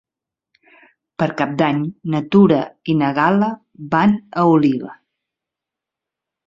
Per Cap d'Any na Tura i na Gal·la van a Oliva.